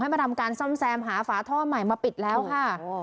มาทำการซ่อมแซมหาฝาท่อใหม่มาปิดแล้วค่ะ